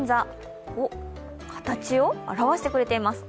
形を表してくれています。